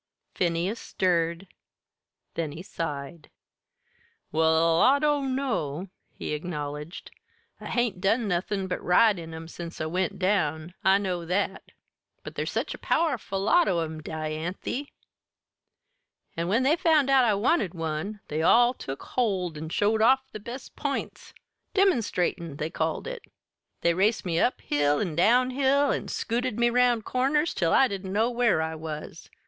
Phineas stirred; then he sighed. "Well, I dunno," he acknowledged. "I hain't done nothin' but ride in 'em since I went down I know that. But there's such a powerful lot of 'em, Dianthy; an' when they found out I wanted one, they all took hold an' showed off their best p'ints 'demonstatin',' they called it. They raced me up hill an' down hill, an' scooted me round corners till I didn't know where I was.